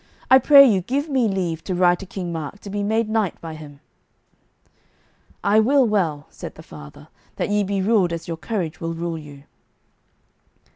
I pray you give me leave to ride to King Mark to be made knight by him." "I will well," said the father, "that ye be ruled as your courage will rule you."